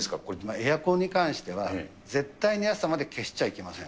エアコンに関しては絶対に朝まで消しちゃいけません。